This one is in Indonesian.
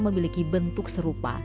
memiliki bentuk serupa